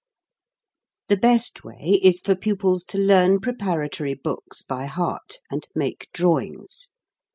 The best way is for pupils to learn pre paratory books by heart, and make drawings.